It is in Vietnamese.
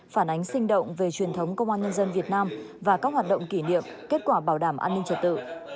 phản ánh sinh động về truyền thống công an nhân dân việt nam và các hoạt động kỷ niệm kết quả bảo đảm an ninh trật tự